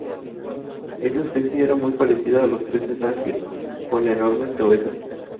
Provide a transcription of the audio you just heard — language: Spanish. Esta especie era muy parecida a los peces ángel con enormes cabezas.